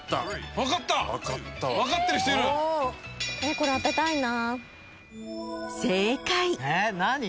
・これ当てたいな。